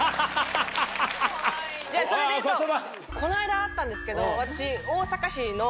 この間会ったんですけど私。